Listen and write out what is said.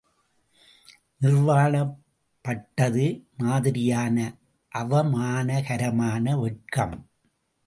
நிர்வாணப் பட்டது மாதிரியான அவமானகரமான வெட்கம்.